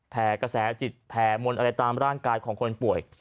กระแสจิตแผ่มนต์อะไรตามร่างกายของคนป่วย